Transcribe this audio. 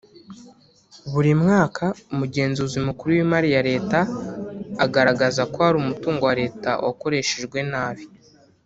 Buri mwaka Umugenzuzi mukuru w’imari ya leta agaragaza ko hari umutungo wa Leta wakoreshejwe nabi